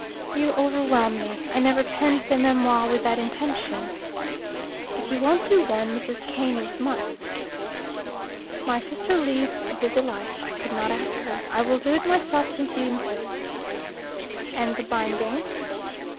"You overwhelm me. I never penned the memoir with that intention." "If you won't do one, Mrs. Keynes must!" "My sister leads a busy life. I could not ask her. I will do it myself since you insist." "And the binding?"